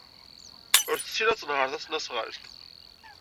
Ur tessin ad tenheṛ tasnasɣalt.